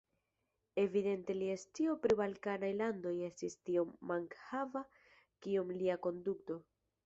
Evidente lia scio pri balkanaj landoj estis tiom mankhava kiom lia konduto.